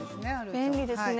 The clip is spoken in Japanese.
便利ですね。